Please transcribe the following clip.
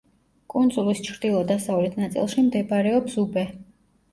კუნძულის ჩრდილო-დასავლეთ ნაწილში მდებარეობს უბე.